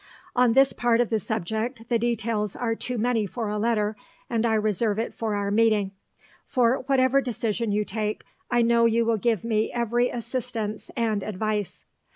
On this part of the subject the details are too many for a letter, and I reserve it for our meeting; for whatever decision you take, I know you will give me every assistance and advice.